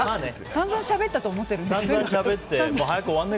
散々しゃべったと思ってるんですけど。